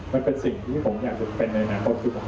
มันเป็นสิ่งที่ผมอยากจะเป็นในอนาคตคือผม